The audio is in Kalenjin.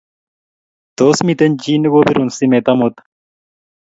Tos, miten chi nogobirun simet amut?